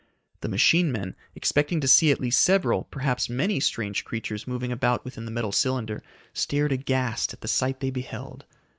The machine men, expecting to see at least several, perhaps many, strange creatures moving about within the metal cylinder, stared aghast at the sight they beheld.